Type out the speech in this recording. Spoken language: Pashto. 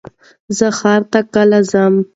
زه ښار ته کله ځم؟